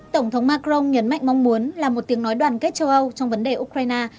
tổng thống macron nhấn mạnh mong muốn là một tiếng nói đoàn kết châu âu trong vấn đề ukraine